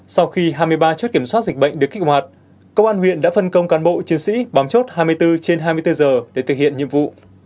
sau khi hai mươi ba chốt kiểm soát dịch bệnh được kích hoạt công an huyện đã phân công cán bộ chiến sĩ bám chốt hai mươi bốn trên hai mươi bốn giờ để thực hiện nhiệm vụ